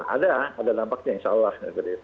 ada ada dampaknya insya allah